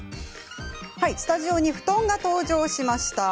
スタジオに布団が登場しました。